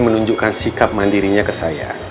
menunjukkan sikap mandirinya ke saya